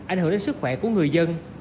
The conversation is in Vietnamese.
ảnh hưởng đến sức khỏe của người dân